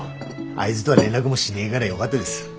あいづとは連絡もしねえがらよがったです。